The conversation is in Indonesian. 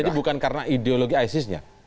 jadi bukan karena ideologi isis nya